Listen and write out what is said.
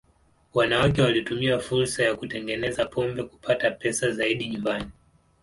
Wanawake walitumia fursa ya kutengeneza pombe kupata pesa zaidi nyumbani.